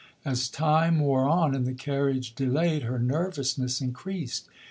As time wore on and the carriage delayed, her nervousness increased.